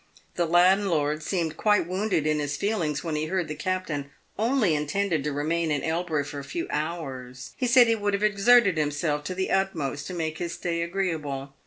The landlord seemed quite wounded in his feelings when he heard the captain only intended remaining in Elbury for a few hours. He said he would have exerted himself to the utmost to make his stay agreeable.